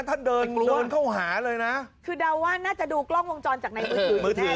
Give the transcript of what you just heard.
ท่านเดินเข้าหาเลยนะคือเดาว่าน่าจะดูกล้องวงจรจากในมือถือแน่